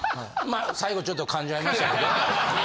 まあ最後ちょっと噛んじゃいましたけど。